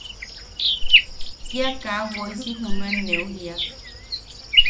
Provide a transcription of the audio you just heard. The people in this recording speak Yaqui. Kia kaa woisi junuen neu jiiak.